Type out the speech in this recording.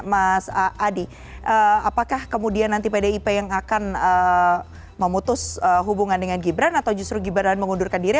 mas adi apakah kemudian nanti pdip yang akan memutus hubungan dengan gibran atau justru gibran mengundurkan diri